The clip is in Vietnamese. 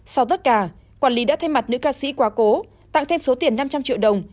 sau tất cả quản lý đã thay mặt nữ ca sĩ quá cố tặng thêm số tiền năm trăm linh triệu đồng